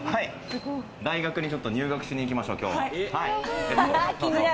大学にちょっと入学しに行きましょう、今日は。